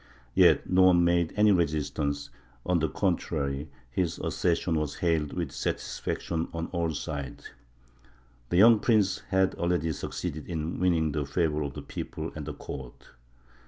Yet no one made any resistance; on the contrary, his accession was hailed with satisfaction on all sides. The young prince had already succeeded in winning the favour of the people and the court.